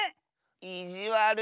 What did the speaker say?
いじわる。